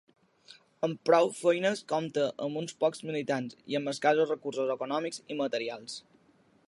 Amb prou feines compta amb uns pocs militants i amb escassos recursos econòmics i materials.